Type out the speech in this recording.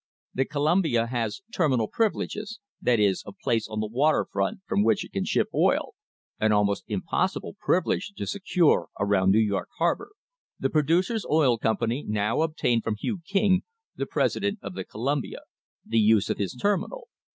The Columbia has "terminal privileges," that is, a place on the water front from which it can ship oil an almost impossible privilege to secure around New York harbour. The Producers' Oil Company now obtained from Hugh King, the president of the Columbia, the use of his terminal.